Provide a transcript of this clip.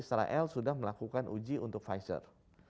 israel sudah melakukan uji untuk pfizer